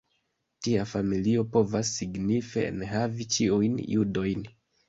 Tia familio povas signife enhavi ĉiujn judojn.